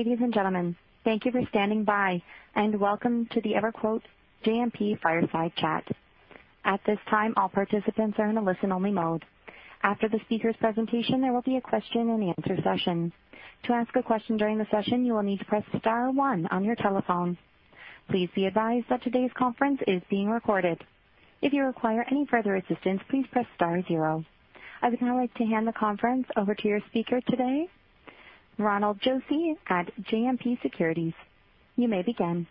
Ladies and gentlemen, thank you for standing by, and welcome to the EverQuote JMP Fireside Chat. At this time, all participants are in a listen-only mode. After the speakers' presentation, there will be a question and answer session. To ask a question during the session, you will need to press star one on your telephone. Please be advised that today's conference is being recorded. If you require any further assistance, please press star zero. I would now like to hand the conference over to your speaker today, Ronald Josey at JMP Securities. You may begin.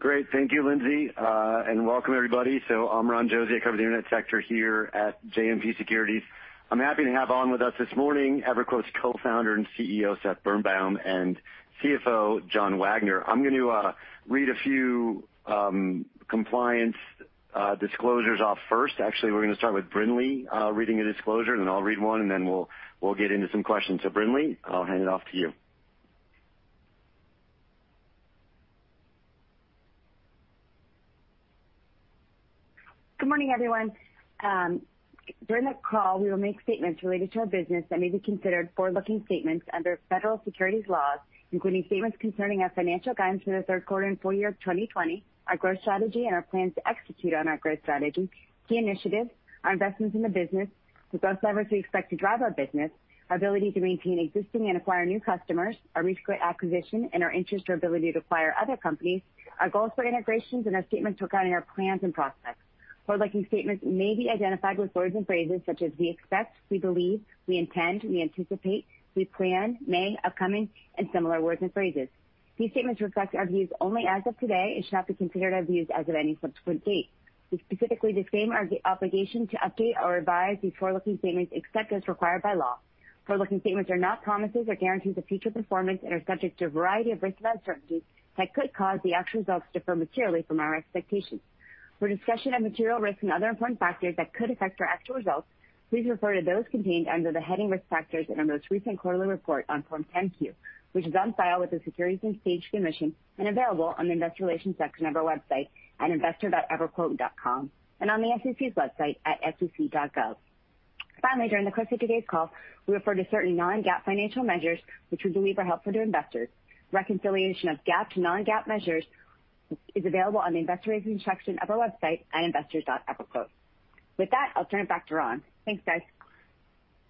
Great. Thank you, Lindsay, and welcome everybody. I'm Ron Josey. I cover the internet sector here at JMP Securities. I'm happy to have on with us this morning EverQuote's Co-founder and CEO, Seth Birnbaum, and CFO, John Wagner. I'm going to read a few compliance disclosures off first. We're going to start with Brinlea reading a disclosure, then I'll read one, and then we'll get into some questions. Brinlea, I'll hand it off to you. Good morning, everyone. During the call, we will make statements related to our business that may be considered forward-looking statements under federal securities laws, including statements concerning our financial guidance for the third quarter and full year of 2020, our growth strategy and our plans to execute on our growth strategy, key initiatives, our investments in the business, the growth levers we expect to drive our business, our ability to maintain existing and acquire new customers, our recent acquisition and our interest or ability to acquire other companies, our goals for integrations and our statements regarding our plans and process. Forward-looking statements may be identified with words and phrases such as we expect, we believe, we intend, we anticipate, we plan, may, upcoming, and similar words and phrases. These statements reflect our views only as of today and should not be considered our views as of any subsequent date. We specifically disclaim our obligation to update or revise these forward-looking statements except as required by law. Forward-looking statements are not promises or guarantees of future performance and are subject to a variety of risks and uncertainties that could cause the actual results to differ materially from our expectations. For a discussion of material risks and other important factors that could affect our actual results, please refer to those contained under the heading Risk Factors in our most recent quarterly report on Form 10-Q, which is on file with the Securities and Exchange Commission and available on the investor relations section of our website at investor.everquote.com and on the SEC's website at sec.gov. Finally, during the course of today's call, we refer to certain non-GAAP financial measures which we believe are helpful to investors. Reconciliation of GAAP to non-GAAP measures is available on the investor relations section of our website at investors.everquote. With that, I'll turn it back to Ron. Thanks, guys.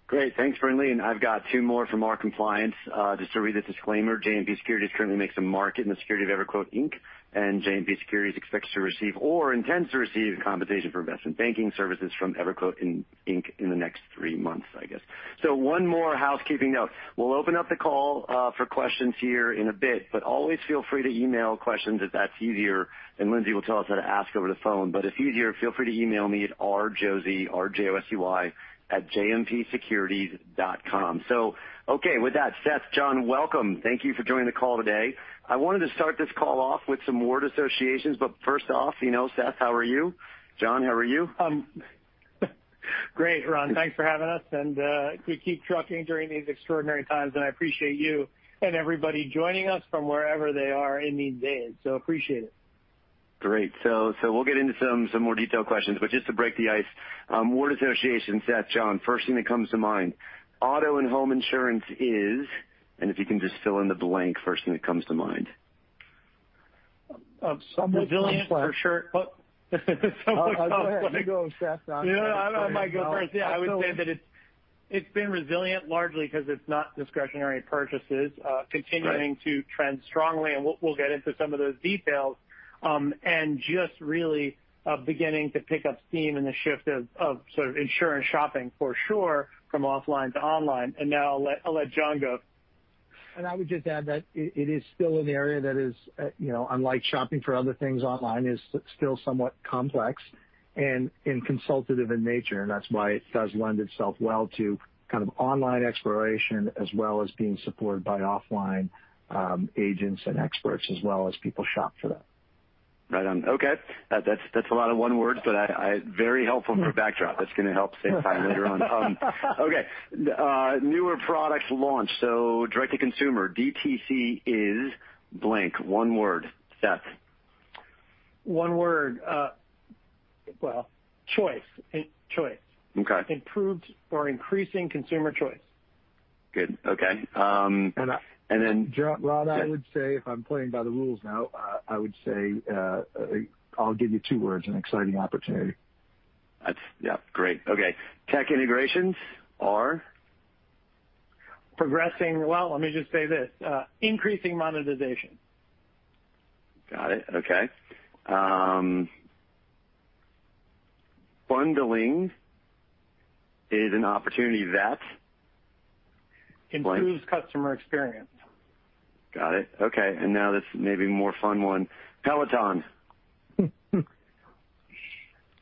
Great. Thanks, Brinlea, and I've got two more from our compliance just to read the disclaimer. JMP Securities currently makes a market in the security of EverQuote Inc., and JMP Securities expects to receive or intends to receive compensation for investment banking services from EverQuote Inc. in the next three months, I guess. One more housekeeping note. We'll open up the call for questions here in a bit, but always feel free to email questions if that's easier, and Lindsay will tell us how to ask over the phone. If it's easier, feel free to email me at rjosuy, R-J-O-S-U-Y, @jmpsecurities.com. Okay, with that, Seth, John, welcome. Thank you for joining the call today. I wanted to start this call off with some word associations, but first off, Seth, how are you? John, how are you? Great, Ron. Thanks for having us. We keep trucking during these extraordinary times. I appreciate you and everybody joining us from wherever they are in these days. Appreciate it. Great. We'll get into some more detailed questions, but just to break the ice, word association, Seth, John, first thing that comes to mind, auto and home insurance is ___. If you can just fill in the blank, first thing that comes to mind. Somewhat complex. Resilient for sure. Somewhat complex. Go ahead. You go, Seth. No, I was going to- I might go first. I would say that it's been resilient largely because it's not discretionary purchases. Right continuing to trend strongly, and we'll get into some of those details, and just really beginning to pick up steam in the shift of insurance shopping for sure from offline to online. Now I'll let John go. I would just add that it is still an area that is, unlike shopping for other things online, is still somewhat complex and consultative in nature, and that's why it does lend itself well to kind of online exploration as well as being supported by offline agents and experts as well as people shop for that. Right on. Okay. That's a lot of one word, but very helpful for a backdrop. That's going to help save time later on. Okay. Newer products launch, so Direct-to-Consumer, DTC is blank. One word, Seth. One word. Well, choice. Okay. Improved or increasing consumer choice. Good. Okay. Ron, I would say if I'm playing by the rules now, I would say I'll give you two words, an exciting opportunity. Yeah. Great. Okay. Tech integrations are? Progressing. Well, let me just say this, increasing monetization. Got it. Okay. Bundling is an opportunity that blank. Improves customer experience. Got it. Okay. Now this may be a more fun one. Peloton.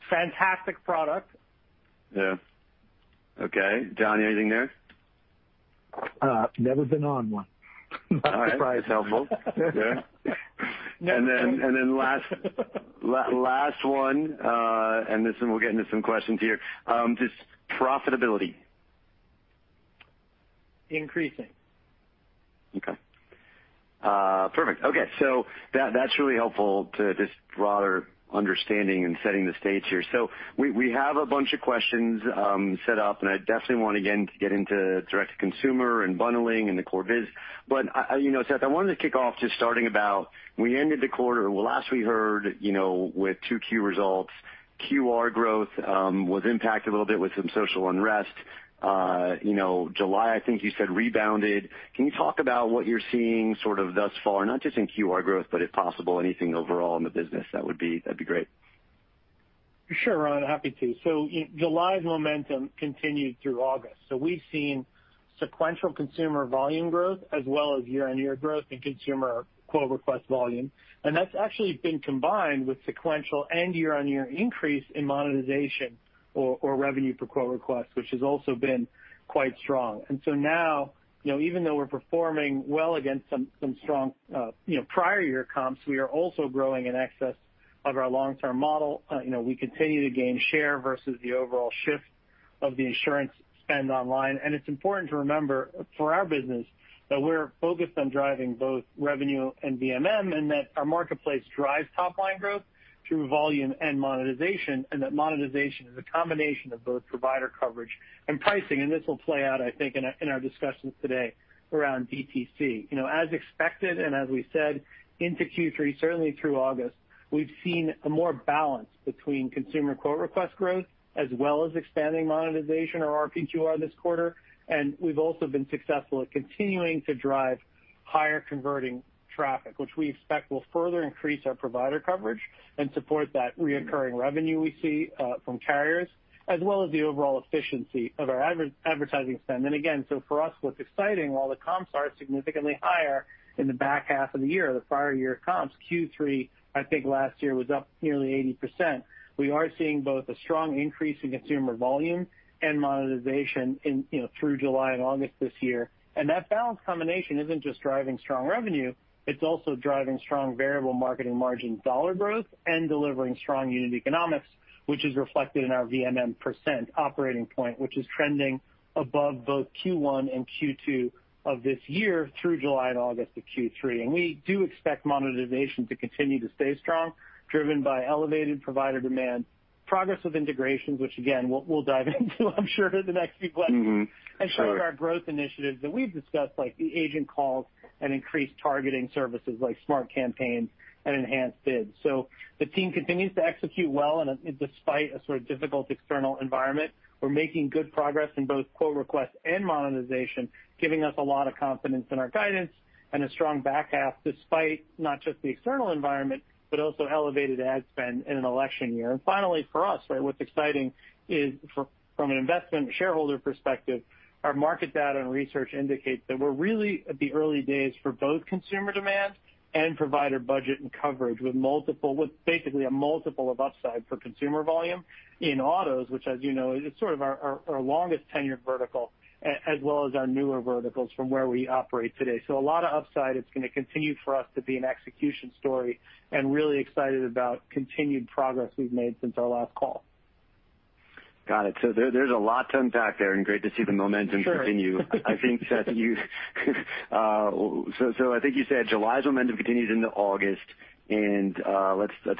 Fantastic product. Yeah. Okay. John, anything there? Never been on one. All right. That's helpful. Yeah. Then last one, and we'll get into some questions here. Just profitability. Increasing. Perfect. That's really helpful to just broader understanding and setting the stage here. We have a bunch of questions set up, and I definitely want, again, to get into direct-to-consumer and bundling and the core biz. Seth, I wanted to kick off, we ended the quarter, well, last we heard with 2Q results, QR growth was impacted a little bit with some social unrest. July, I think you said rebounded. Can you talk about what you're seeing sort of thus far, not just in QR growth, but if possible, anything overall in the business, that'd be great. Sure, Ron, happy to. July's momentum continued through August. We've seen sequential consumer volume growth as well as year-on-year growth in consumer quote request volume. That's actually been combined with sequential and year-on-year increase in monetization or revenue per quote request, which has also been quite strong. Now, even though we're performing well against some strong prior year comps, we are also growing in excess of our long-term model. We continue to gain share versus the overall shift of the insurance spend online. It's important to remember, for our business, that we're focused on driving both revenue and VMM, and that our marketplace drives top-line growth through volume and monetization, and that monetization is a combination of both provider coverage and pricing. This will play out, I think, in our discussions today around DTC. As expected, and as we said into Q3, certainly through August, we've seen a more balance between consumer quote request growth as well as expanding monetization or RPQR this quarter. We've also been successful at continuing to drive higher converting traffic, which we expect will further increase our provider coverage and support that recurring revenue we see from carriers as well as the overall efficiency of our advertising spend. Again, for us, what's exciting, while the comps are significantly higher in the back half of the year, the prior year comps, Q3, I think last year was up nearly 80%. We are seeing both a strong increase in consumer volume and monetization through July and August this year. That balanced combination isn't just driving strong revenue, it's also driving strong variable marketing margin dollar growth and delivering strong unit economics, which is reflected in our VMM percent operating point, which is trending above both Q1 and Q2 of this year through July and August of Q3. We do expect monetization to continue to stay strong, driven by elevated provider demand, progress with integrations, which again, we'll dive into, I'm sure, in the next few questions. Mm-hmm. Sure. Through our growth initiatives that we've discussed, like the agent calls and increased targeting services like Smart Campaigns and Enhanced CPC. The team continues to execute well despite a sort of difficult external environment. We're making good progress in both quote requests and monetization, giving us a lot of confidence in our guidance and a strong back half despite not just the external environment, but also elevated ad spend in an election year. Finally, for us, what's exciting is from an investment shareholder perspective, our market data and research indicates that we're really at the early days for both consumer demand and provider budget and coverage with basically a multiple of upside for consumer volume in autos, which, as you know, is sort of our longest tenured vertical, as well as our newer verticals from where we operate today. A lot of upside. It's going to continue for us to be an execution story and really excited about continued progress we've made since our last call. Got it. There's a lot to unpack there, and great to see the momentum continue. Sure. I think you said July's momentum continues into August. Let's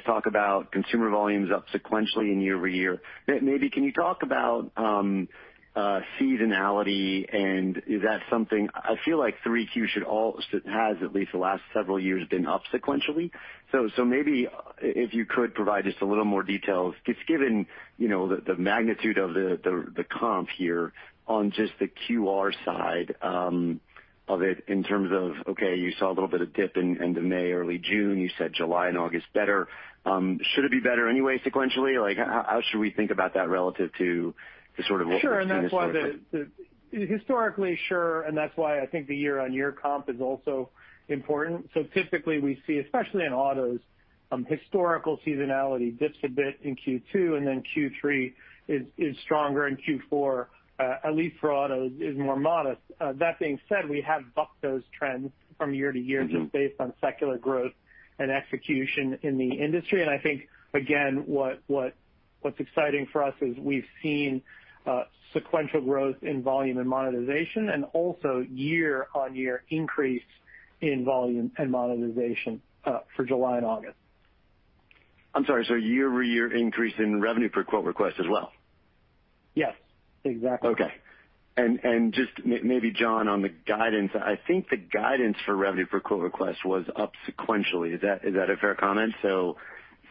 talk about consumer volumes up sequentially and year-over-year. Maybe, can you talk about seasonality and is that something? I feel like 3Q has at least the last several years been up sequentially. Maybe if you could provide just a little more details, just given the magnitude of the comp here on just the QR side of it in terms of, okay, you saw a little bit of dip end of May, early June. You said July and August better. Should it be better anyway sequentially? How should we think about that relative to sort of what we've seen historically? Sure. Historically, sure, and that's why I think the year-on-year comp is also important. Typically we see, especially in autos, historical seasonality dips a bit in Q2, and then Q3 is stronger and Q4, at least for autos, is more modest. That being said, we have bucked those trends from year to year just based on secular growth and execution in the industry. I think, again, what's exciting for us is we've seen sequential growth in volume and monetization and also year-on-year increase in volume and monetization for July and August. I'm sorry, year-over-year increase in revenue per quote request as well? Yes, exactly. Okay. Just maybe, John, on the guidance, I think the guidance for revenue per quote request was up sequentially. Is that a fair comment?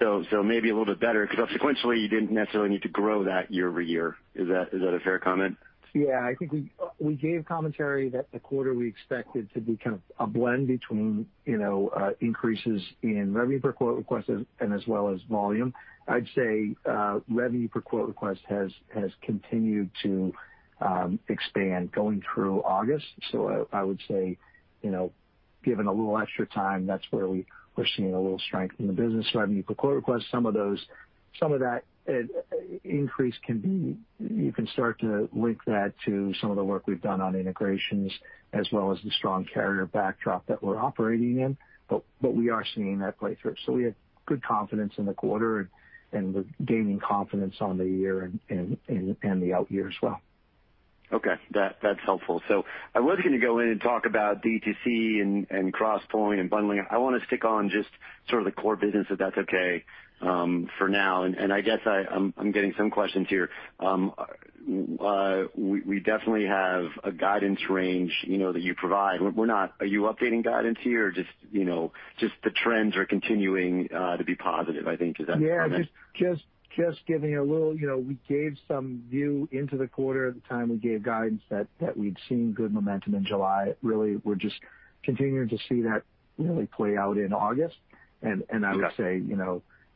Maybe a little bit better because up sequentially, you didn't necessarily need to grow that year-over-year. Is that a fair comment? Yeah, I think we gave commentary that the quarter we expected to be kind of a blend between increases in revenue per quote request and as well as volume. I'd say revenue per quote request has continued to expand going through August. I would say, given a little extra time, that's where we're seeing a little strength in the business, revenue per quote request. Some of that increase, you can start to link that to some of the work we've done on integrations as well as the strong carrier backdrop that we're operating in. We are seeing that play through. We have good confidence in the quarter and we're gaining confidence on the year and the out year as well. That's helpful. I was going to go in and talk about DTC and Crosspointe and bundling. I want to stick on just sort of the core business, if that's okay for now. I guess I'm getting some questions here. We definitely have a guidance range that you provide. Are you updating guidance here or just the trends are continuing to be positive, I think, is that the comment? Yeah. We gave some view into the quarter at the time we gave guidance that we'd seen good momentum in July. We're just continuing to see that really play out in August. Okay. I would say,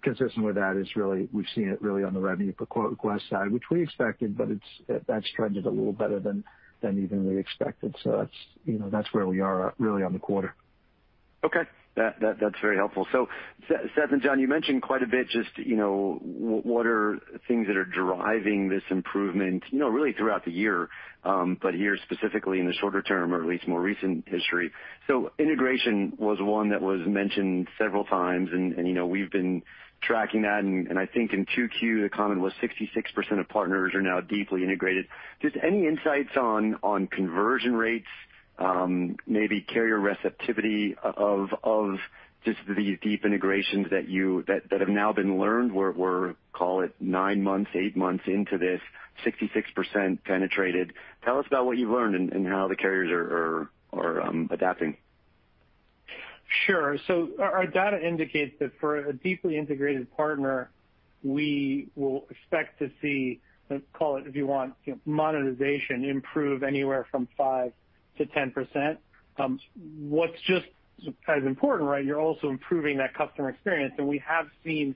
consistent with that is really we've seen it really on the revenue per quote request side, which we expected, but that trend is a little better than even we expected. That's where we are really on the quarter. Okay. That's very helpful. Seth and John, you mentioned quite a bit just what are things that are driving this improvement really throughout the year, but here specifically in the shorter term or at least more recent history. Integration was one that was mentioned several times, and we've been tracking that, and I think in 2Q, the comment was 66% of partners are now deeply integrated. Any insights on conversion rates, maybe carrier receptivity of just these deep integrations that have now been learned? We're, call it nine months, eight months into this, 66% penetrated. Tell us about what you've learned and how the carriers are adapting. Sure. Our data indicates that for a deeply integrated partner, we will expect to see, call it if you want, monetization improve anywhere from 5%-10%. What's just as important, you're also improving that customer experience, we have seen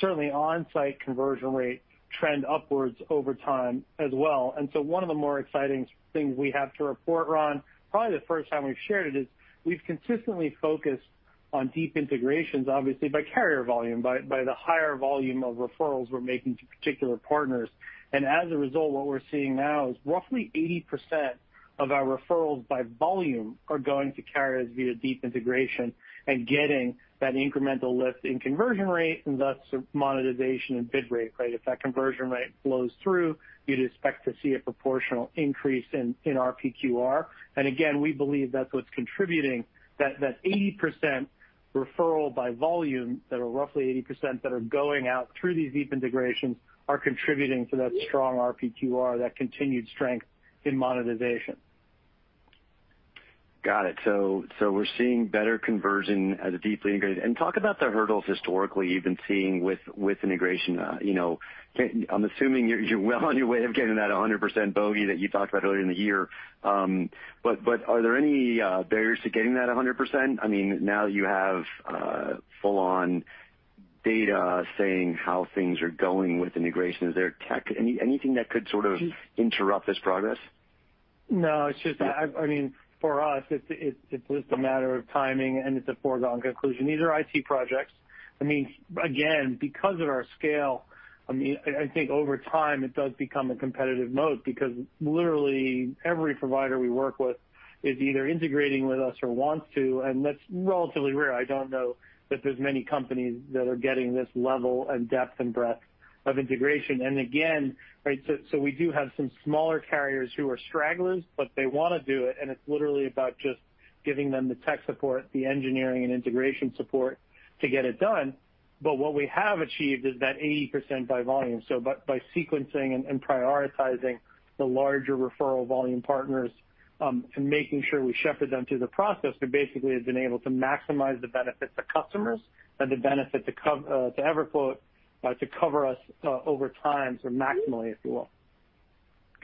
certainly onsite conversion rate trend upwards over time as well. One of the more exciting things we have to report, Ron, probably the first time we've shared it, is we've consistently focused on deep integrations, obviously by carrier volume, by the higher volume of referrals we're making to particular partners. As a result, what we're seeing now is roughly 80% of our referrals by volume are going to carriers via deep integration and getting that incremental lift in conversion rate, and thus monetization and bid rate. If that conversion rate flows through, you'd expect to see a proportional increase in RPQR. Again, we believe that's what's contributing that 80% referral by volume, that are roughly 80% that are going out through these deep integrations, are contributing to that strong RPQR, that continued strength in monetization. Got it. We're seeing better conversion as a deeply integrated. Talk about the hurdles historically you've been seeing with integration. I'm assuming you're well on your way of getting that 100% bogey that you talked about earlier in the year. Are there any barriers to getting that 100%? Now that you have full-on data saying how things are going with integration, is there tech, anything that could sort of interrupt this progress? No. For us, it's just a matter of timing, and it's a foregone conclusion. These are IT projects. Again, because of our scale, I think over time it does become a competitive moat because literally every provider we work with is either integrating with us or wants to, and that's relatively rare. I don't know that there's many companies that are getting this level of depth and breadth of integration. We do have some smaller carriers who are stragglers, but they want to do it, and it's literally about just giving them the tech support, the engineering, and integration support to get it done. What we have achieved is that 80% by volume. By sequencing and prioritizing the larger referral volume partners, and making sure we shepherd them through the process, we basically have been able to maximize the benefit to customers and the benefit to EverQuote to cover us over time. Maximally, if you will.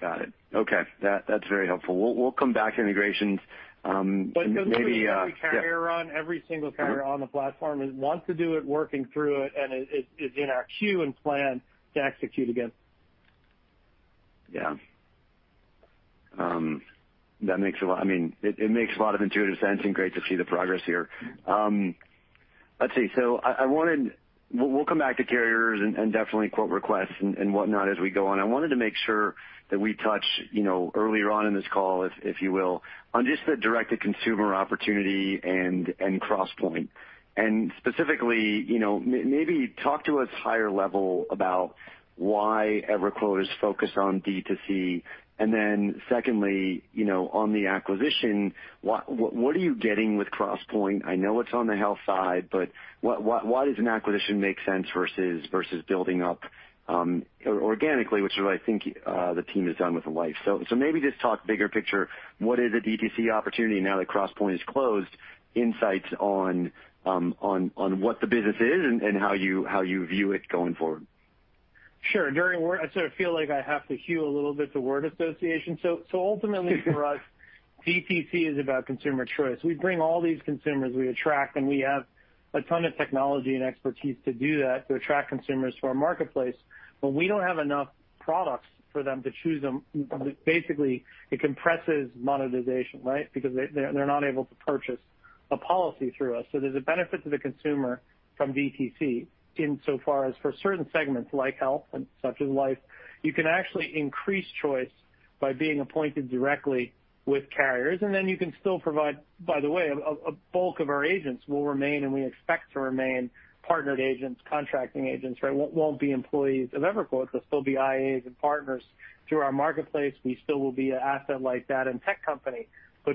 Got it. Okay. That's very helpful. We'll come back to integrations. Just so you know, every carrier, Ron, every single carrier on the platform wants to do it, working through it, and it is in our queue and plan to execute against. Yeah. It makes a lot of intuitive sense and great to see the progress here. Let's see. We'll come back to carriers and definitely quote requests and whatnot as we go on. I wanted to make sure that we touch earlier on in this call, if you will, on just the Direct-to-Consumer opportunity and Crosspointe. Specifically, maybe talk to us higher level about why EverQuote is focused on D2C, and then secondly, on the acquisition, what are you getting with Crosspointe? I know it's on the health side, but why does an acquisition make sense versus building up organically, which is what I think the team has done with life. Maybe just talk bigger picture, what is a D2C opportunity now that Crosspointe is closed, insights on what the business is and how you view it going forward. Sure. I sort of feel like I have to cue a little bit to word association. Ultimately for us, DTC is about consumer choice. We bring all these consumers we attract, and we have a ton of technology and expertise to do that, to attract consumers to our marketplace. We don't have enough products for them to choose them. Basically, it compresses monetization because they're not able to purchase a policy through us. There's a benefit to the consumer from DTC insofar as for certain segments like health and such as life, you can actually increase choice by being appointed directly with carriers, and then you can still provide, by the way, a bulk of our agents will remain, and we expect to remain partnered agents, contracting agents. Won't be employees of EverQuote. They'll still be IAs and partners through our marketplace. We still will be an asset-light data and tech company.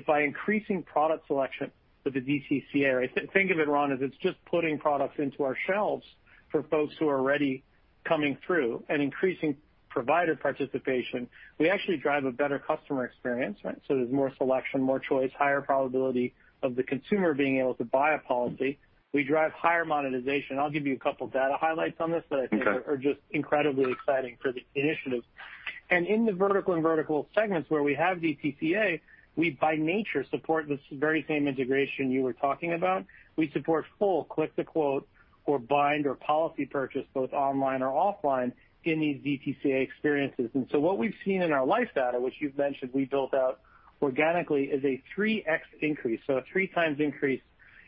By increasing product selection for the DTC, think of it, Ron, as it's just putting products into our shelves for folks who are already coming through and increasing provider participation, we actually drive a better customer experience. There's more selection, more choice, higher probability of the consumer being able to buy a policy. We drive higher monetization. I'll give you a couple of data highlights on this. Okay that I think are just incredibly exciting for the initiative. In the vertical segments where we have DTC, we by nature support this very same integration you were talking about. We support full click-to-quote or bind or policy purchase, both online or offline, in these DTC experiences. What we've seen in our life data, which you've mentioned we built out organically, is a 3x increase, so a three times increase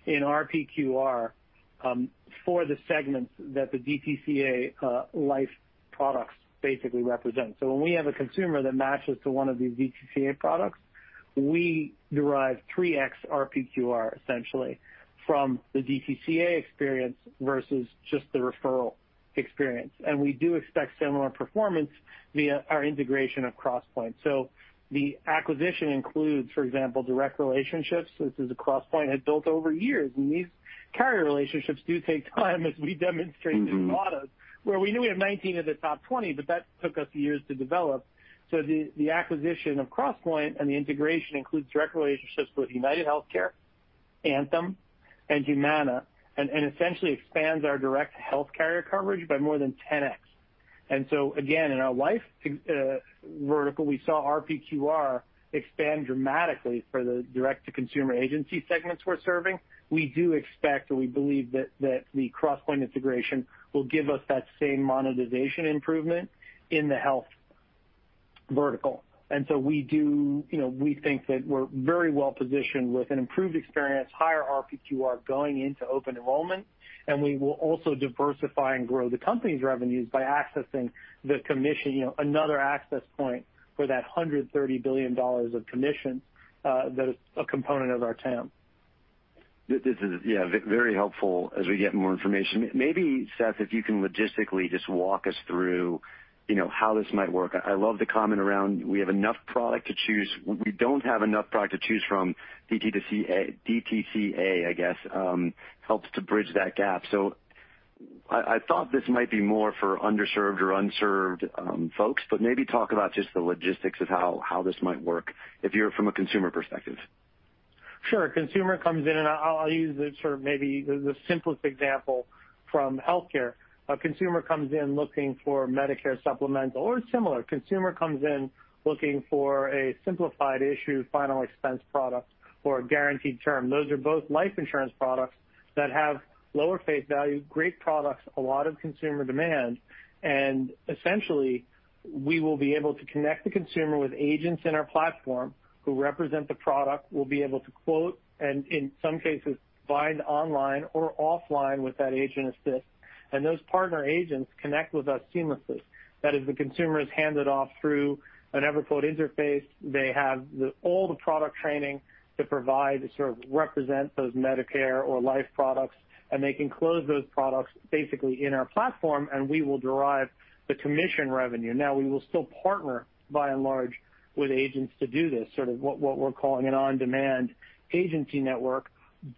in RPQR, for the segments that the DTC life products basically represent. When we have a consumer that matches to one of these DTC products, we derive 3x RPQR essentially from the DTC experience versus just the referral experience. We do expect similar performance via our integration of Crosspointe. The acquisition includes, for example, direct relationships, which is what Crosspointe had built over years. These carrier relationships do take time, as we demonstrated. in the model, where we knew we had 19 of the top 20, but that took us years to develop. The acquisition of Crosspointe and the integration includes direct relationships with UnitedHealthcare, Anthem, and Humana, and essentially expands our direct health carrier coverage by more than 10X. Again, in our life vertical, we saw RPQR expand dramatically for the direct-to-consumer agency segments we're serving. We do expect, and we believe that the Crosspointe integration will give us that same monetization improvement in the health vertical. We think that we're very well-positioned with an improved experience, higher RPQR going into open enrollment, and we will also diversify and grow the company's revenues by accessing the commission, another access point for that $130 billion of commission that is a component of our TAM. This is very helpful as we get more information. Maybe, Seth, if you can logistically just walk us through how this might work. I love the comment around we don't have enough product to choose from DTC, I guess, helps to bridge that gap. I thought this might be more for underserved or unserved folks, but maybe talk about just the logistics of how this might work if you're from a consumer perspective. Sure. A consumer comes in, and I'll use maybe the simplest example from healthcare. A consumer comes in looking for Medicare supplemental or similar. A consumer comes in looking for a simplified issue, final expense product or a guaranteed term. Those are both life insurance products that have lower face value, great products, a lot of consumer demand, and essentially, we will be able to connect the consumer with agents in our platform who represent the product. We'll be able to quote and in some cases bind online or offline with that agent assist, and those partner agents connect with us seamlessly. That is, the consumer is handed off through an EverQuote interface. They have all the product training to provide to represent those Medicare or life products, and they can close those products basically in our platform, and we will derive the commission revenue. We will still partner by and large with agents to do this, sort of what we're calling an on-demand agency network,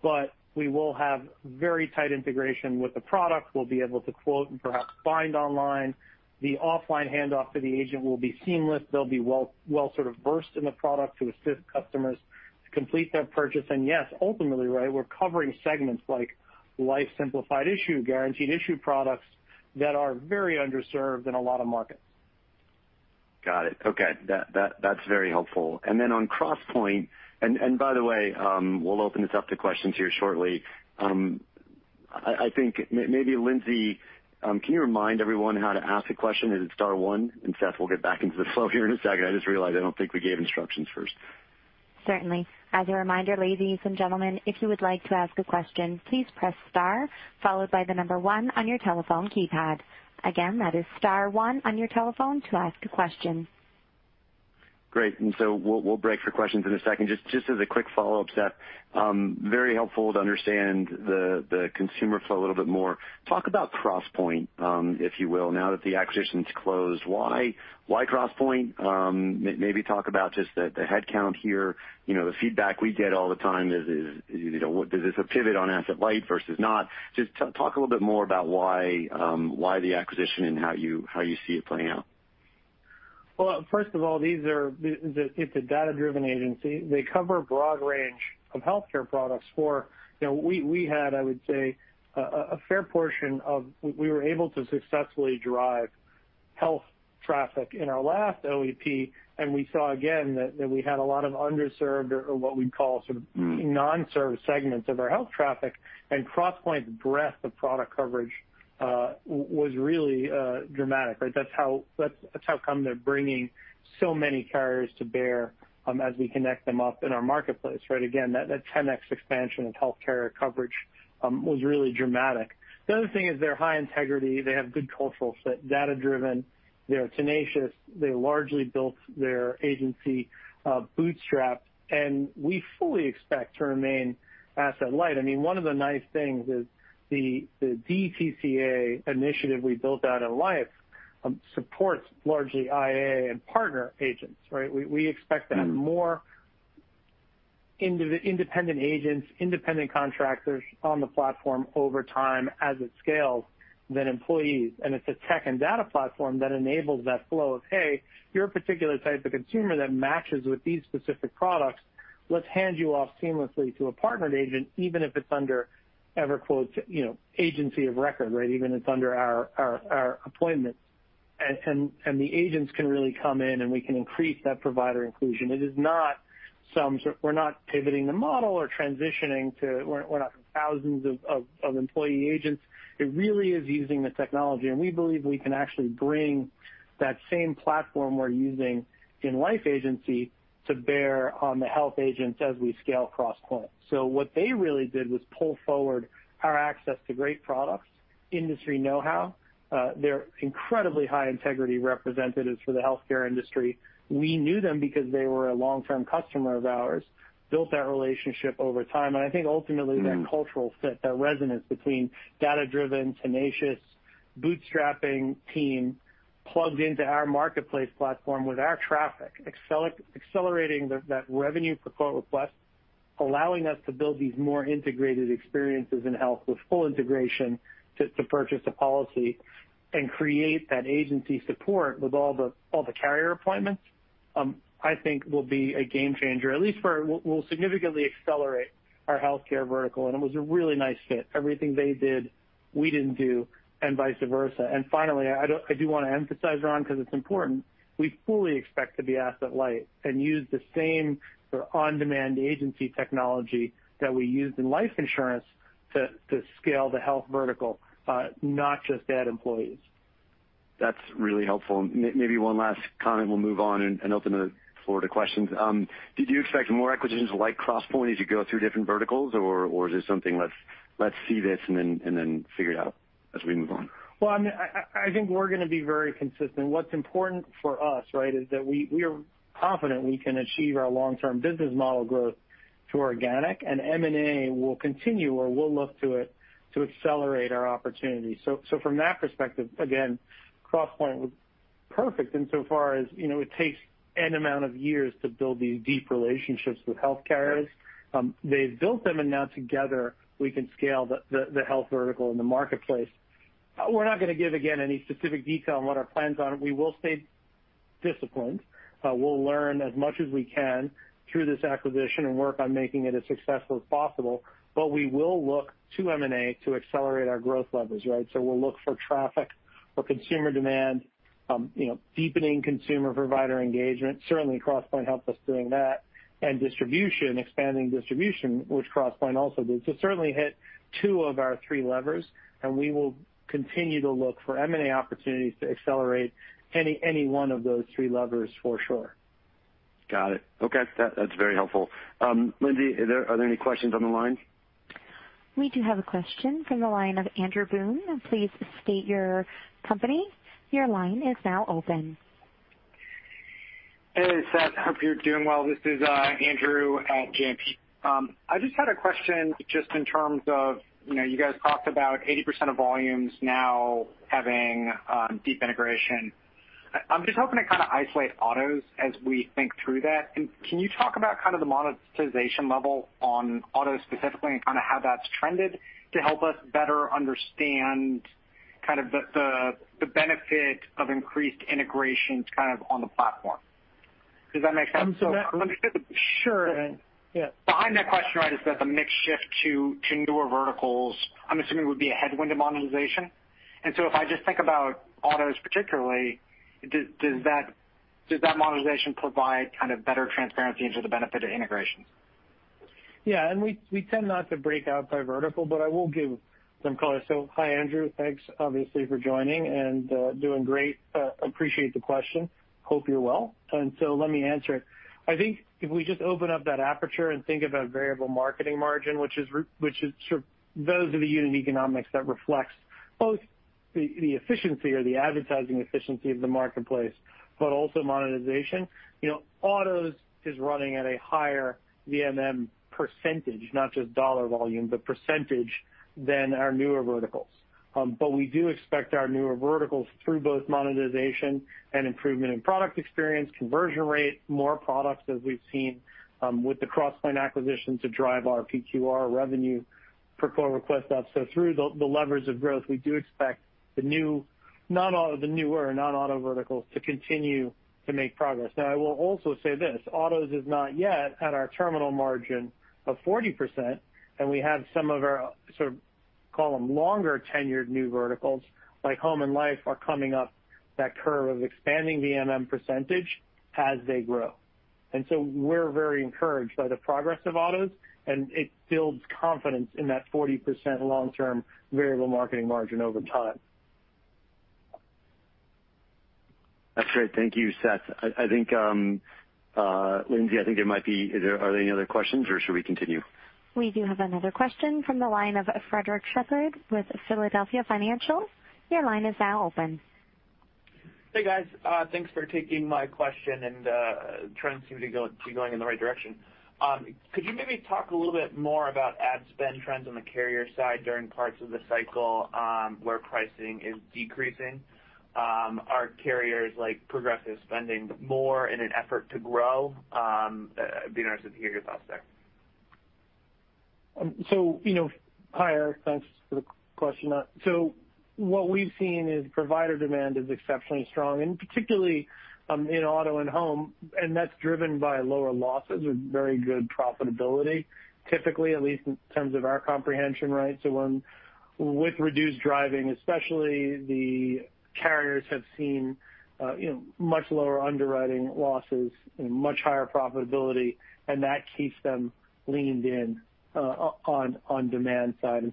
but we will have very tight integration with the product. We'll be able to quote and perhaps bind online. The offline handoff to the agent will be seamless. They'll be well versed in the product to assist customers to complete that purchase. Yes, ultimately, we're covering segments like life simplified issue, guaranteed issue products that are very underserved in a lot of markets. Got it. Okay. That's very helpful. Then on Crosspointe, by the way, we'll open this up to questions here shortly. I think maybe Lindsay, can you remind everyone how to ask a question? Is it star one? Seth, we'll get back into the flow here in a second. I just realized I don't think we gave instructions first. Certainly. As a reminder, ladies and gentlemen, if you would like to ask a question, please press star followed by the number one on your telephone keypad. Again, that is star one on your telephone to ask a question. Great. We'll break for questions in a second. Just as a quick follow-up, Seth. Very helpful to understand the consumer flow a little bit more. Talk about Crosspointe, if you will. Now that the acquisition's closed, why Crosspointe? Maybe talk about just the headcount here. The feedback we get all the time is this a pivot on asset light versus not? Just talk a little bit more about why the acquisition and how you see it playing out. Well, first of all, it's a data-driven agency. They cover a broad range of health care products. We had, I would say, We were able to successfully drive health traffic in our last OEP, and we saw again that we had a lot of underserved or what we'd call sort of non-served segments of our health traffic, and Crosspointe's breadth of product coverage was really dramatic. That's how come they're bringing so many carriers to bear as we connect them up in our marketplace. That 10X expansion of health care coverage was really dramatic. The other thing is they're high integrity. They have good cultural fit, data-driven, they are tenacious. They largely built their agency bootstrapped, and we fully expect to remain asset-light. One of the nice things is the DTC initiative we built out in life supports largely IA and partner agents. We expect to have more independent agents, independent contractors on the platform over time as it scales than employees. It's a tech and data platform that enables that flow of, hey, you're a particular type of consumer that matches with these specific products. Let's hand you off seamlessly to a partnered agent, even if it's under EverQuote's agency of record, even if it's under our appointments. The agents can really come in, and we can increase that provider inclusion. We're not pivoting the model or transitioning to thousands of employee agents. It really is using the technology, and we believe we can actually bring that same platform we're using in life agency to bear on the health agents as we scale Crosspointe. What they really did was pull forward our access to great products, industry know-how. They're incredibly high integrity representatives for the healthcare industry. We knew them because they were a long-term customer of ours, built that relationship over time. I think ultimately that cultural fit, that resonance between data-driven, tenacious, bootstrapping team plugged into our marketplace platform with our traffic accelerating that revenue per quote request, allowing us to build these more integrated experiences in health with full integration to purchase a policy and create that agency support with all the carrier appointments, I think will be a game changer, at least will significantly accelerate our healthcare vertical. It was a really nice fit. Everything they did, we didn't do, vice versa. Finally, I do want to emphasize, Ron, because it's important, we fully expect to be asset-light and use the same sort of on-demand agency technology that we used in life insurance to scale the health vertical, not just add employees. That's really helpful. Maybe one last comment and we'll move on and open the floor to questions. Did you expect more acquisitions like Crosspointe as you go through different verticals, or is this something, let's see this and then figure it out as we move on? I think we're going to be very consistent. What's important for us is that we are confident we can achieve our long-term business model growth through organic, and M&A will continue or we'll look to it to accelerate our opportunities. From that perspective, again, Crosspointe was perfect in so far as it takes N amount of years to build these deep relationships with health carriers. They've built them, and now together we can scale the health vertical in the marketplace. We're not going to give, again, any specific detail on what our plans are. We will stay disciplined. We'll learn as much as we can through this acquisition and work on making it as successful as possible. We will look to M&A to accelerate our growth levers. We'll look for traffic or consumer demand, deepening consumer provider engagement. Certainly, Crosspointe helped us doing that. Distribution, expanding distribution, which Crosspointe also did. Certainly hit two of our three levers, and we will continue to look for M&A opportunities to accelerate any one of those three levers, for sure. Got it. Okay. That's very helpful. Lindsay, are there any questions on the line? We do have a question from the line of Andrew Boone. Hey, Seth. Hope you're doing well. This is Andrew at JMP. I just had a question just in terms of you guys talked about 80% of volumes now having deep integration. I'm just hoping to kind of isolate autos as we think through that. Can you talk about kind of the monetization level on autos specifically and kind of how that's trended to help us better understand kind of the benefit of increased integrations kind of on the platform? Does that make sense? Sure. Yeah. Behind that question is that the mix shift to newer verticals, I'm assuming, would be a headwind to monetization. If I just think about autos particularly, does that monetization provide kind of better transparency into the benefit of integrations? Yeah. We tend not to break out by vertical, but I will give some color. Hi, Andrew. Thanks, obviously, for joining, and doing great. Appreciate the question. Hope you're well. Let me answer it. I think if we just open up that aperture and think about variable marketing margin, those are the unit economics that reflects both the efficiency or the advertising efficiency of the marketplace, but also monetization. Autos is running at a higher VMM percentage, not just dollar volume, but percentage than our newer verticals. We do expect our newer verticals through both monetization and improvement in product experience, conversion rate, more products as we've seen with the Crosspointe acquisition to drive our RPQR revenue per quote request up. Through the levers of growth, we do expect the newer, non-auto verticals to continue to make progress. Now, I will also say this, autos is not yet at our terminal margin of 40%, and we have some of our Call them longer-tenured new verticals, like home and life are coming up that curve of expanding the MM% as they grow. We're very encouraged by the progress of autos, and it builds confidence in that 40% long-term variable marketing margin over time. That's great. Thank you, Seth. Lindsay, are there any other questions or should we continue? We do have another question from the line of Frederick Shepherd with Philadelphia Financial. Your line is now open. Hey, guys. Thanks for taking my question. Trends seem to be going in the right direction. Could you maybe talk a little bit more about ad spend trends on the carrier side during parts of the cycle where pricing is decreasing? Are carriers like Progressive spending more in an effort to grow? Be interested to hear your thoughts there. Hi, Eric. Thanks for the question. What we've seen is provider demand is exceptionally strong, and particularly in auto and home, and that's driven by lower losses or very good profitability, typically, at least in terms of our conversion rates. When with reduced driving, especially the carriers have seen much lower underwriting losses and much higher profitability, and that keeps them leaned in on demand side.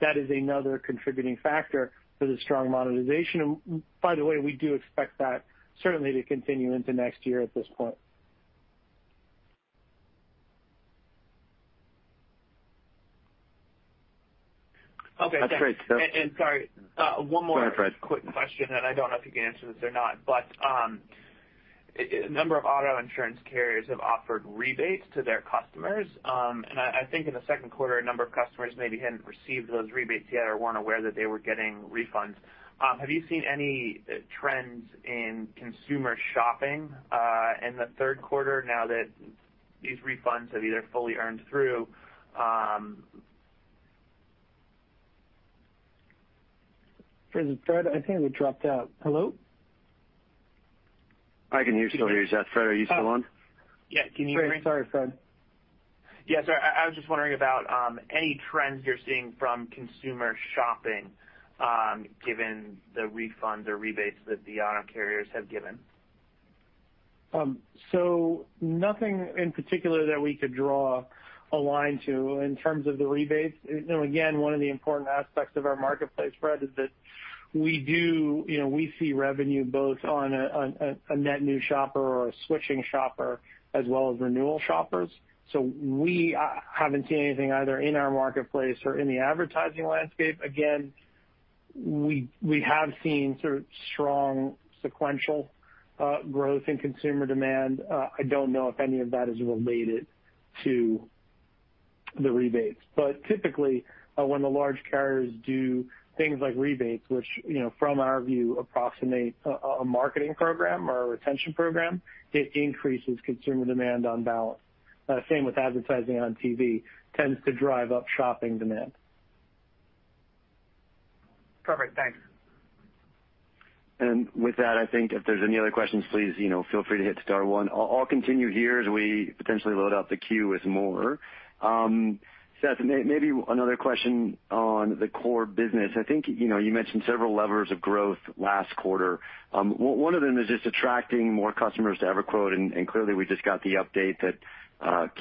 That is another contributing factor for the strong monetization. By the way, we do expect that certainly to continue into next year at this point. Okay. That's great, Seth. Sorry. Go ahead, Fred quick question, and I don't know if you can answer this or not, but a number of auto insurance carriers have offered rebates to their customers. I think in Q2, a number of customers maybe hadn't received those rebates yet or weren't aware that they were getting refunds. Have you seen any trends in consumer shopping in Q3 now that these refunds have either fully earned through? Fred, I think we dropped out. Hello? I can still hear you, Seth. Fred, are you still on? Yeah. Can you hear me? Sorry, Fred. Yes. I was just wondering about any trends you're seeing from consumer shopping given the refunds or rebates that the auto carriers have given. Nothing in particular that we could draw a line to in terms of the rebates. One of the important aspects of our marketplace, Fred, is that we see revenue both on a net new shopper or a switching shopper as well as renewal shoppers. We haven't seen anything either in our marketplace or in the advertising landscape. We have seen sort of strong sequential growth in consumer demand. I don't know if any of that is related to the rebates. Typically, when the large carriers do things like rebates, which, from our view, approximate a marketing program or a retention program, it increases consumer demand on balance. Same with advertising on TV, tends to drive up shopping demand. Perfect. Thanks. With that, I think if there's any other questions, please feel free to hit star one. I'll continue here as we potentially load up the queue with more. Seth, maybe another question on the core business. I think you mentioned several levers of growth last quarter. One of them is just attracting more customers to EverQuote, and clearly, we just got the update that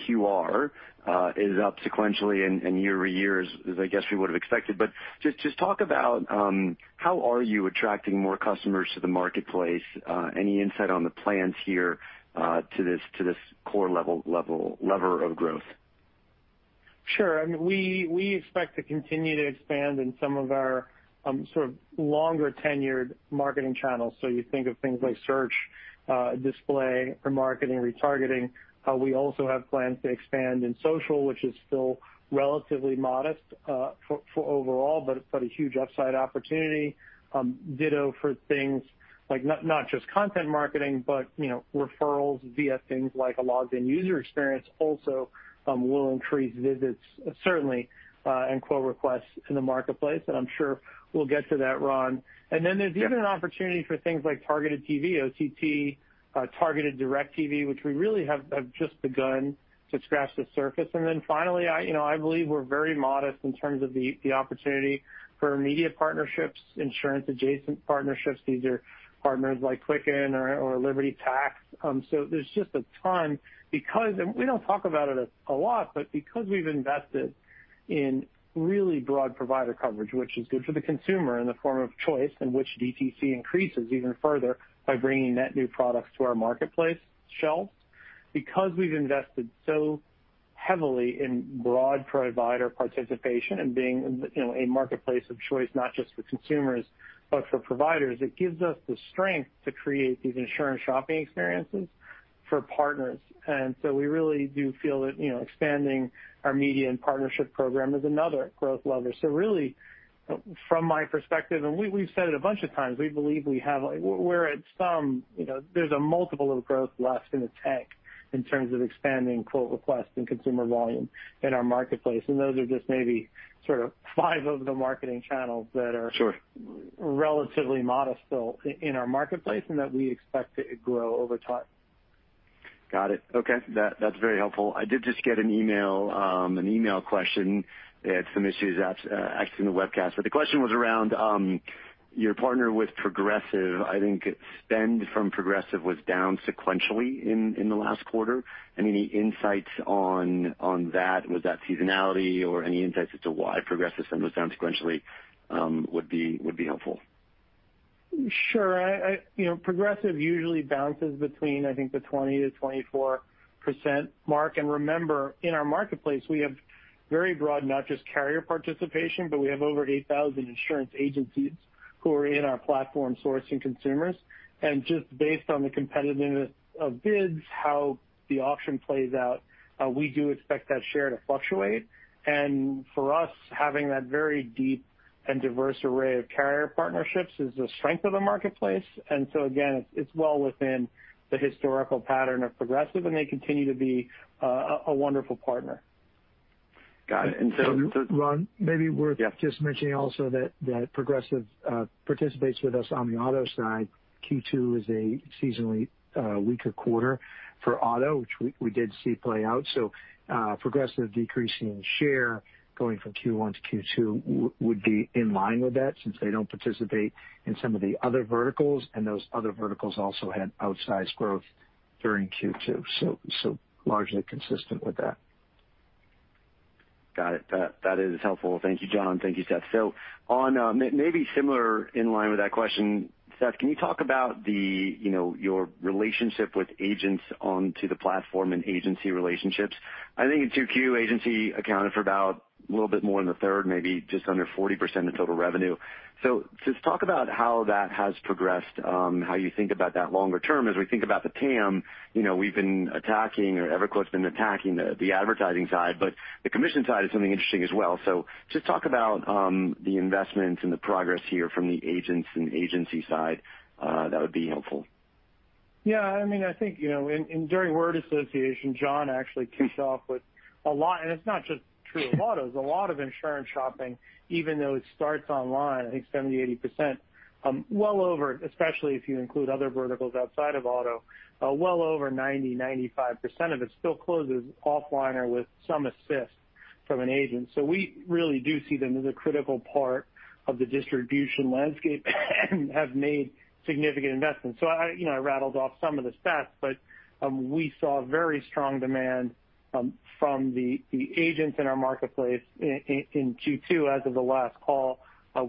QR is up sequentially and year-over-year as I guess we would've expected. Just talk about how are you attracting more customers to the marketplace? Any insight on the plans here to this core lever of growth? Sure. We expect to continue to expand in some of our sort of longer-tenured marketing channels. You think of things like search, display, marketing, retargeting. We also have plans to expand in social, which is still relatively modest for overall, but a huge upside opportunity. Ditto for things like not just content marketing, but referrals via things like a logged-in user experience also will increase visits, certainly, and quote requests in the marketplace, and I'm sure we'll get to that, Ron. There's even an opportunity for things like targeted TV, OTT, targeted direct TV, which we really have just begun to scratch the surface. Finally, I believe we're very modest in terms of the opportunity for media partnerships, insurance-adjacent partnerships. These are partners like Quicken or Liberty Tax. There's just a ton because, and we don't talk about it a lot, but because we've invested in really broad provider coverage, which is good for the consumer in the form of choice, and which DTC increases even further by bringing net new products to our marketplace shelves. Because we've invested so heavily in broad provider participation and being a marketplace of choice, not just for consumers but for providers, it gives us the strength to create these insurance shopping experiences for partners. We really do feel that expanding our media and partnership program is another growth lever. Really, from my perspective, and we've said it a bunch of times, we believe there's a multiple of growth left in the tank in terms of expanding quote requests and consumer volume in our marketplace. Those are just maybe sort of five of the marketing channels that are. Sure relatively modest still in our marketplace and that we expect to grow over time. Got it. Okay. That's very helpful. I did just get an email question. It had some issues actually in the webcast. The question was around your partner with Progressive. I think spend from Progressive was down sequentially in the last quarter. Any insights on that? Was that seasonality or any insights as to why Progressive spend was down sequentially would be helpful. Sure. Progressive usually bounces between, I think, the 20%-24% mark. Remember, in our marketplace, we have very broad, not just carrier participation, but we have over 8,000 insurance agencies who are in our platform sourcing consumers. Just based on the competitiveness of bids, how the auction plays out, we do expect that share to fluctuate. For us, having that very deep and diverse array of carrier partnerships is the strength of the marketplace. Again, it's well within the historical pattern of Progressive, and they continue to be a wonderful partner. Got it. Ron, maybe worth just mentioning also that Progressive participates with us on the auto side. Q2 is a seasonally weaker quarter for auto, which we did see play out. Progressive decreasing share going from Q1 to Q2 would be in line with that since they don't participate in some of the other verticals, and those other verticals also had outsized growth during Q2. Largely consistent with that. Got it. That is helpful. Thank you, John. Thank you, Seth. On maybe similar in line with that question, Seth, can you talk about your relationship with agents onto the platform and agency relationships? I think in 2Q, agency accounted for about a little bit more than a third, maybe just under 40% of total revenue. Just talk about how that has progressed, how you think about that longer term. As we think about the TAM, we've been attacking or EverQuote's been attacking the advertising side, but the commission side is something interesting as well. Just talk about the investments and the progress here from the agents and agency side. That would be helpful. I think during word association, John actually kicked off with a lot, it's not just true of autos. A lot of insurance shopping, even though it starts online, I think 70%, 80%, especially if you include other verticals outside of auto, well over 90%, 95% of it still closes offline or with some assist from an agent. We really do see them as a critical part of the distribution landscape and have made significant investments. I rattled off some of the stats, we saw very strong demand from the agents in our marketplace in Q2 as of the last call.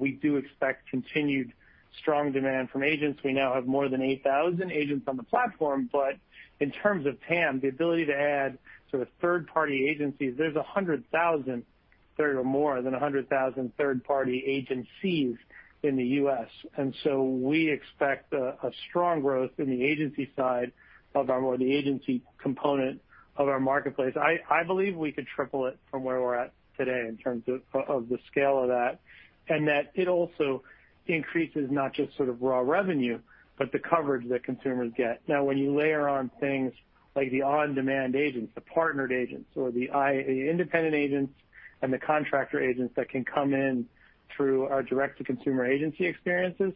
We do expect continued strong demand from agents. We now have more than 8,000 agents on the platform, in terms of TAM, the ability to add sort of third-party agencies, there's 100,000 third or more than 100,000 third-party agencies in the U.S. We expect strong growth in the agency component of our marketplace. I believe we could triple it from where we're at today in terms of the scale of that, and that it also increases not just sort of raw revenue, but the coverage that consumers get. Now, when you layer on things like the on-demand agents, the partnered agents, or the IA, independent agents, and the contractor agents that can come in through our direct-to-consumer agency experiences,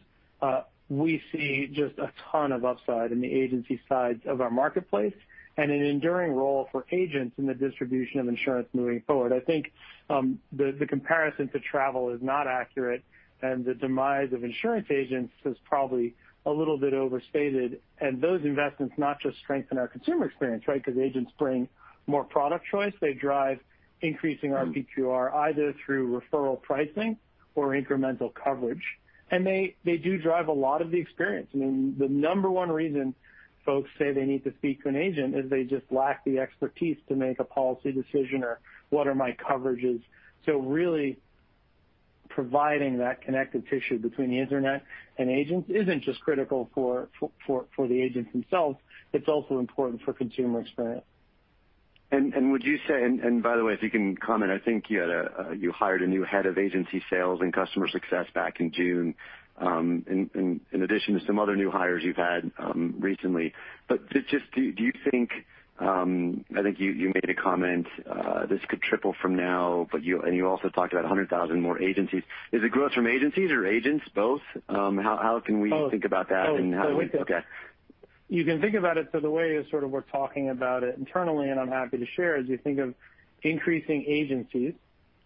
we see just a ton of upside in the agency sides of our marketplace and an enduring role for agents in the distribution of insurance moving forward. I think the comparison to travel is not accurate, and the demise of insurance agents is probably a little bit overstated. Those investments not just strengthen our consumer experience, right? Because agents bring more product choice. They drive increasing our RPQR either through referral pricing or incremental coverage. They do drive a lot of the experience. The number one reason folks say they need to speak to an agent is they just lack the expertise to make a policy decision or what are my coverages. Really providing that connective tissue between the internet and agents isn't just critical for the agents themselves. It's also important for consumer experience. Would you say, and by the way, if you can comment, I think you hired a new head of agency sales and customer success back in June, in addition to some other new hires you've had recently. Just do you think, I think you made a comment, this could triple from now, and you also talked about 100,000 more agencies. Is it growth from agencies or agents, both? How can we think about that? Both. Okay. You can think about it, the way we're talking about it internally, and I'm happy to share, is you think of increasing agencies,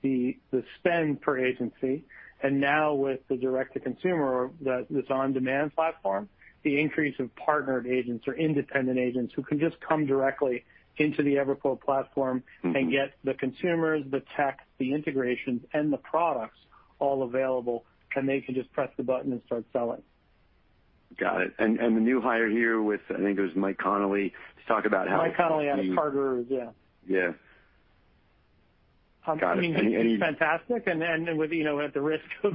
the spend per agency, and now with the Direct-to-Consumer, this on-demand platform, the increase of partnered agents or independent agents who can just come directly into the EverQuote platform and get the consumers, the tech, the integrations, and the products all available, and they can just press the button and start selling. Got it. The new hire here with, I think it was Mike Connolly, just talk about how. Mike Connolly out of Carter, yeah. Yeah. Got it. He's fantastic. At the risk of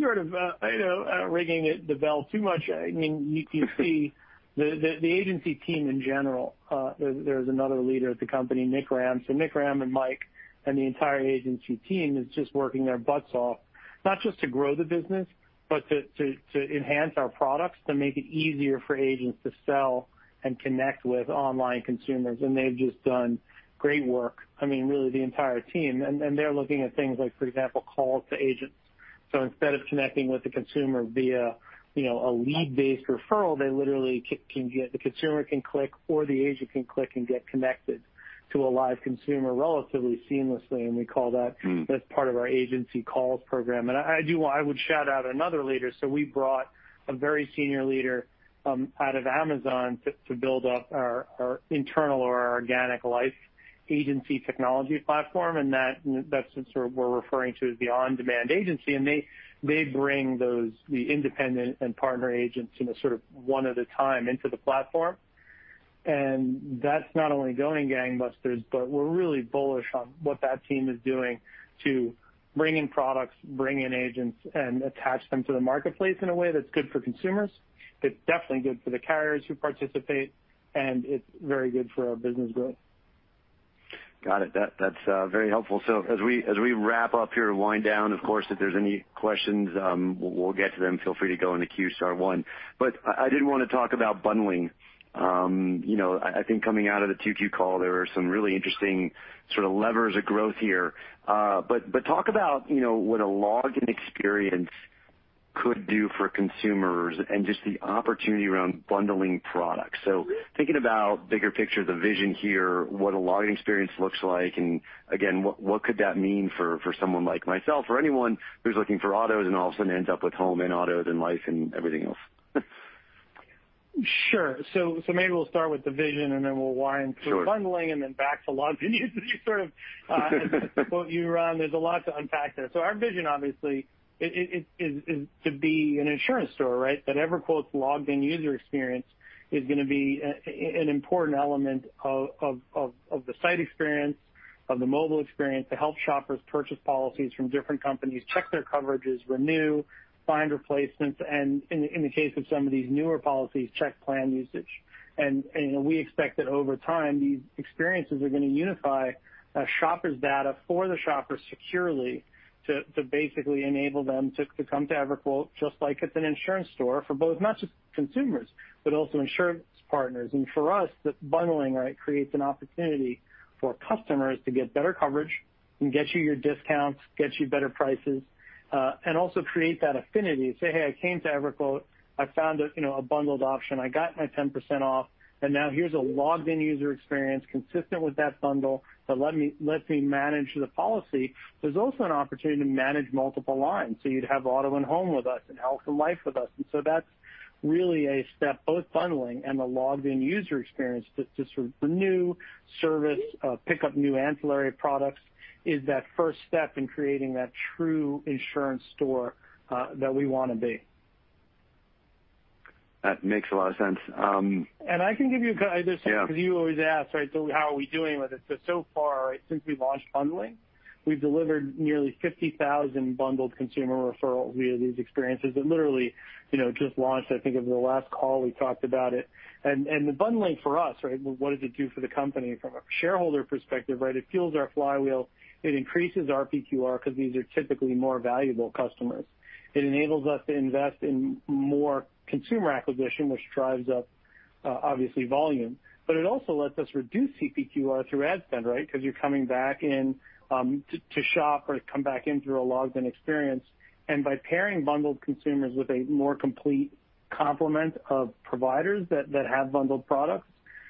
sort of ringing the bell too much, you can see the agency team in general. There's another leader at the company, Nik Sharma. Nik Sharma and Mike and the entire agency team is just working their butts off not just to grow the business, but to enhance our products, to make it easier for agents to sell and connect with online consumers. They've just done great work, really the entire team. They're looking at things like, for example, calls to agents. Instead of connecting with the consumer via a lead-based referral, the consumer can click or the agent can click and get connected to a live consumer relatively seamlessly, and that's part of our Agency Calls program. I would shout out another leader. We brought a very senior leader out of Amazon to build up our internal or our organic life agency technology platform, and that's what we're referring to as the on-demand agency. They bring the independent and partner agents one at a time into the platform. That's not only going gangbusters, but we're really bullish on what that team is doing to bring in products, bring in agents, and attach them to the marketplace in a way that's good for consumers, it's definitely good for the carriers who participate, and it's very good for our business growth. Got it. That's very helpful. As we wrap up here, wind down, of course, if there's any questions, we'll get to them. Feel free to go in the queue, star one. I did want to talk about bundling. I think coming out of the 2Q call, there were some really interesting levers of growth here. Talk about what a logged-in experience could do for consumers and just the opportunity around bundling products. Thinking about bigger picture, the vision here, what a logged-in experience looks like, and again, what could that mean for someone like myself or anyone who's looking for autos and all of a sudden ends up with home and autos and life and everything else? Sure. Maybe we'll start with the vision, and then we'll wind through bundling. Sure Back to logged-in users. To quote you, Ron, there's a lot to unpack there. Our vision, obviously, is to be an insurance store. That EverQuote's logged-in user experience is going to be an important element of the site experience, of the mobile experience to help shoppers purchase policies from different companies, check their coverages, renew, find replacements, and in the case of some of these newer policies, check plan usage. We expect that over time, these experiences are going to unify a shopper's data for the shopper securely to basically enable them to come to EverQuote, just like it's an insurance store for both, not just consumers, but also insurance partners. For us, that bundling creates an opportunity for customers to get better coverage and get you your discounts, get you better prices, and also create that affinity. Say, "Hey, I came to EverQuote, I found a bundled option. I got my 10% off, and now here's a logged-in user experience consistent with that bundle that lets me manage the policy." There's also an opportunity to manage multiple lines. You'd have auto and home with us, and health and life with us. That's really a step, both bundling and the logged-in user experience to sort of renew service, pick up new ancillary products is that first step in creating that true insurance store that we want to be. That makes a lot of sense. I can give you- Yeah Because you always ask, how are we doing with it? So far, since we've launched bundling, we've delivered nearly 50,000 bundled consumer referrals via these experiences that literally just launched. I think it was the last call we talked about it. The bundling for us, what does it do for the company from a shareholder perspective? It fuels our flywheel. It increases our RPQR because these are typically more valuable customers. It enables us to invest in more consumer acquisition, which drives up, obviously, volume. It also lets us reduce CPQR through ad spend, because you're coming back in to shop or come back in through a logged-in experience. By pairing bundled consumers with a more complete complement of providers that have bundled products,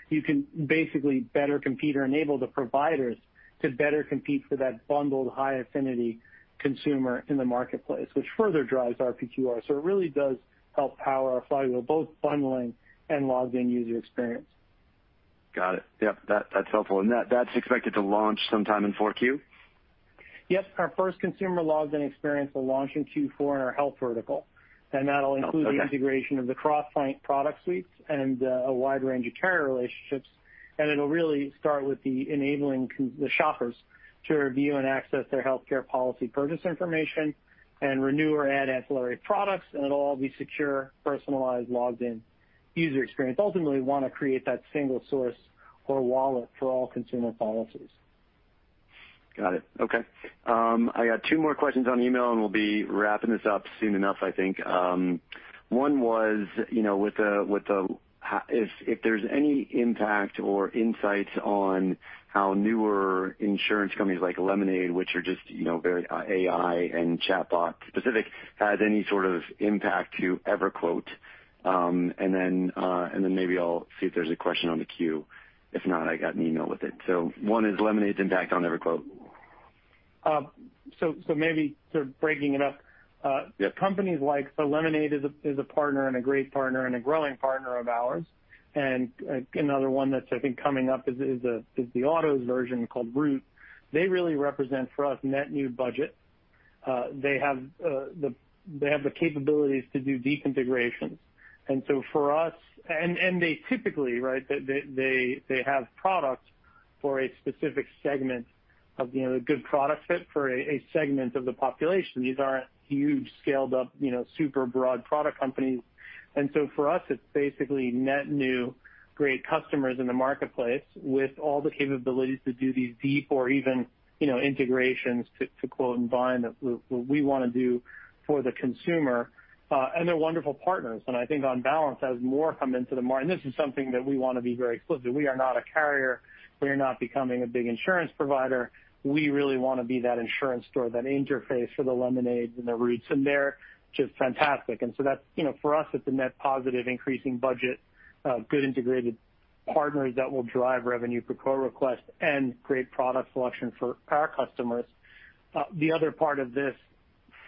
you can basically better compete or enable the providers to better compete for that bundled high-affinity consumer in the marketplace, which further drives our PQR. It really does help power our flywheel, both bundling and logged-in user experience. Got it. Yep. That's helpful. That's expected to launch sometime in 4Q? Yes. Our first consumer logged-in experience will launch in Q4 in our health vertical, and that'll include. Okay the integration of the Crosspointe product suites and a wide range of carrier relationships. It'll really start with enabling the shoppers to review and access their healthcare policy purchase information and renew or add ancillary products, and it'll all be secure, personalized, logged-in user experience. Ultimately, we want to create that single source or wallet for all consumer policies. Got it. Okay. I got two more questions on email, and we'll be wrapping this up soon enough, I think. One was, if there's any impact or insights on how newer insurance companies like Lemonade, which are just very AI and chatbot specific, has any sort of impact to EverQuote. Maybe I'll see if there's a question on the queue. If not, I got an email with it. One is Lemonade's impact on EverQuote. Maybe sort of breaking it up. Companies like Lemonade is a partner, and a great partner, and a growing partner of ours. Another one that's, I think, coming up is the autos version called Root. They really represent, for us, net new budget. They have the capabilities to do deep configurations. They typically have products for a specific segment of a good product fit for a segment of the population. These aren't huge, scaled-up, super broad product companies. For us, it's basically net new, great customers in the marketplace with all the capabilities to do these deep or even integrations to quote and bind what we want to do for the consumer. They're wonderful partners. I think on balance, as more come into the market, and this is something that we want to be very explicit, we are not a carrier. We are not becoming a big insurance provider. We really want to be that insurance store, that interface for the Lemonade and the Root, and they're just fantastic. For us, it's a net positive increasing budget, good integrated partners that will drive revenue per quote request, and great product selection for our customers. The other part of this,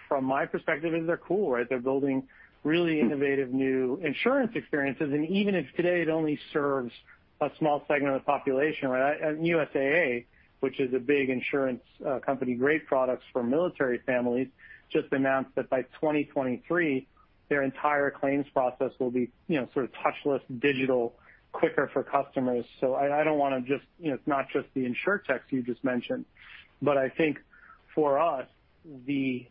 from my perspective, is they're cool, right? They're building really innovative new insurance experiences. Even if today it only serves a small segment of the population, right? USAA, which is a big insurance company, great products for military families, just announced that by 2023, their entire claims process will be sort of touchless, digital, quicker for customers. It's not just the insurtechs you just mentioned, but I think for us, the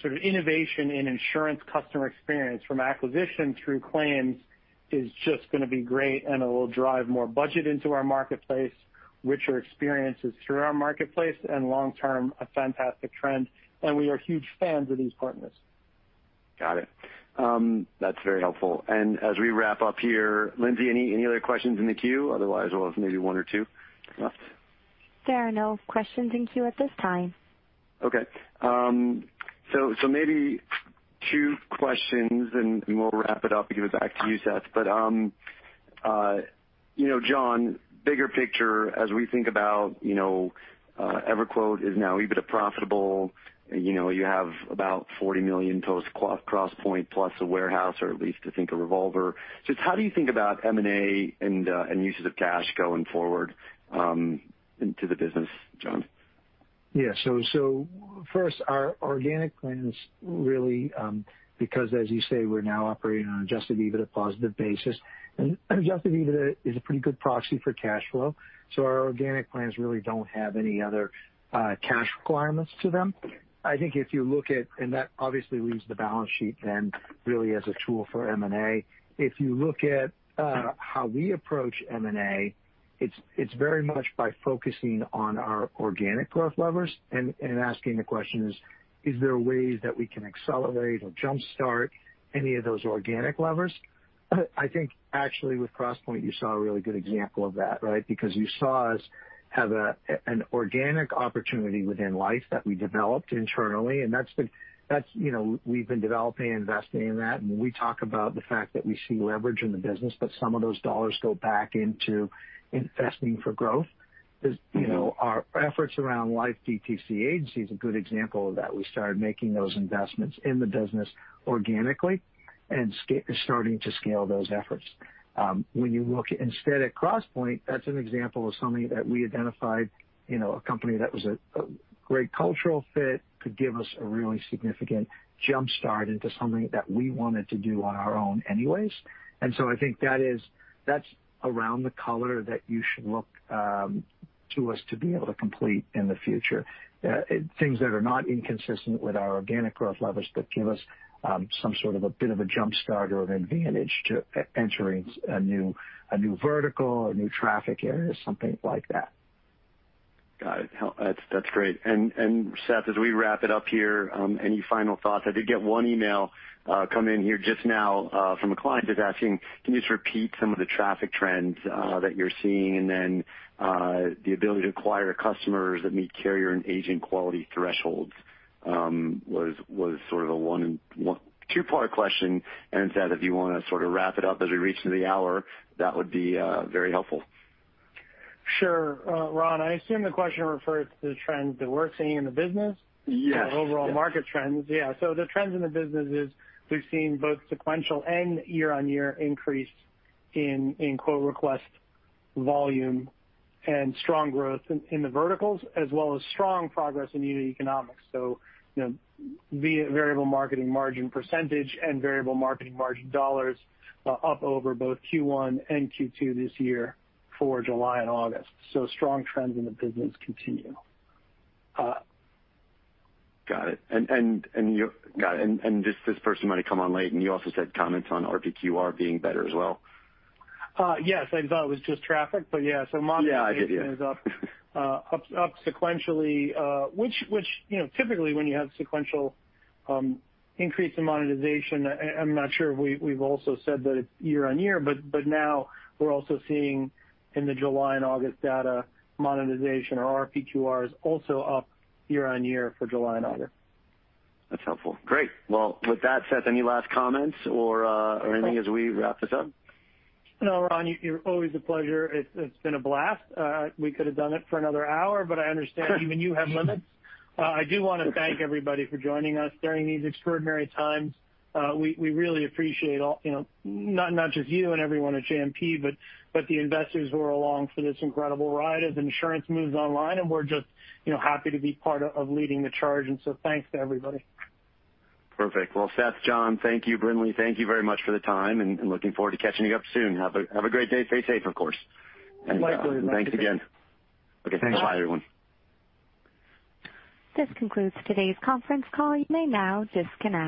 sort of innovation in insurance customer experience from acquisition through claims is just going to be great, and it will drive more budget into our marketplace, richer experiences through our marketplace, and long-term, a fantastic trend. We are huge fans of these partners. Got it. That's very helpful. As we wrap up here, Lindsay, any other questions in the queue? Otherwise, we'll have maybe one or two left. There are no questions in queue at this time. Okay. Maybe two questions, and we'll wrap it up and give it back to you, Seth. John, bigger picture, as we think about EverQuote is now EBITDA profitable. You have about $40 million post-Crosspointe plus a warehouse, or at least I think a revolver. Just how do you think about M&A and uses of cash going forward into the business, John? Yeah. First, our organic plans, really because as you say, we're now operating on an Adjusted EBITDA positive basis, and Adjusted EBITDA is a pretty good proxy for cash flow. Our organic plans really don't have any other cash requirements to them. I think if you look at, and that obviously leaves the balance sheet then really as a tool for M&A. If you look at how we approach M&A, it's very much by focusing on our organic growth levers and asking the questions, is there ways that we can accelerate or jumpstart any of those organic levers? I think actually with Crosspointe, you saw a really good example of that, right? You saw us have an organic opportunity within Life that we developed internally, and we've been developing and investing in that. We talk about the fact that we see leverage in the business, but some of those dollars go back into investing for growth. Our efforts around Life DTC agency is a good example of that. We started making those investments in the business organically and starting to scale those efforts. When you look instead at Crosspointe, that's an example of something that we identified, a company that was a great cultural fit, could give us a really significant jumpstart into something that we wanted to do on our own anyways. I think that's around the color that you should look to us to be able to complete in the future. Things that are not inconsistent with our organic growth levers, but give us some sort of a bit of a jumpstart or an advantage to entering a new vertical, a new traffic area, something like that. Got it. That's great. Seth, as we wrap it up here, any final thoughts? I did get one email come in here just now from a client just asking, can you just repeat some of the traffic trends that you're seeing and then the ability to acquire customers that meet carrier and agent quality thresholds? Was sort of a two-part question. Seth, if you want to sort of wrap it up as we reach to the hour, that would be very helpful. Sure. Ron, I assume the question refers to the trends that we're seeing in the business. Yes or overall market trends. Yeah. The trends in the business is we've seen both sequential and year-on-year increase in quote request volume and strong growth in the verticals, as well as strong progress in unit economics. Variable marketing margin percentage and variable marketing margin dollars are up over both Q1 and Q2 this year for July and August. Strong trends in the business continue. Got it. This person might have come on late, and you also said comments on RPQR being better as well. Yes. I thought it was just traffic, but yeah. Monetization- Yeah. I did, yeah. is up sequentially. Typically when you have sequential increase in monetization, I'm not sure if we've also said that it's year-over-year, but now we're also seeing in the July and August data monetization or RPQRs also up year-over-year for July and August. That's helpful. Great. Well, with that, Seth, any last comments or anything as we wrap this up? No, Ron, you're always a pleasure. It's been a blast. We could've done it for another hour, but I understand even you have limits. I do want to thank everybody for joining us during these extraordinary times. We really appreciate not just you and everyone at JMP, but the investors who are along for this incredible ride as insurance moves online, and we're just happy to be part of leading the charge. Thanks to everybody. Perfect. Well, Seth, John, thank you. Brinley, thank you very much for the time, and looking forward to catching up soon. Have a great day. Stay safe, of course. Likewise. Thanks again. Okay. Bye, everyone. Thanks. This concludes today's conference call. You may now disconnect.